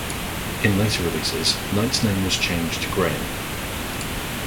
In later releases, knight's name was changed to Graham.